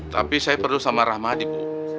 tapi saya perlu sama rahmadi bu